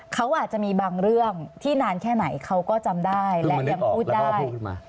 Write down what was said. เขาอาจจะมีบางเรื่องที่นานแค่ไหนเขาก็จำได้และยังพูดได้